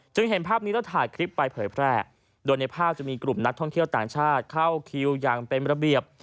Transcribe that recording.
เห็นภาพนี้แล้วถ่ายคลิปไปเผยแพร่โดยในภาพจะมีกลุ่มนักท่องเที่ยวต่างชาติเข้าคิวอย่างเป็นระเบียบ